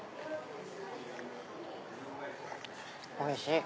おいしい！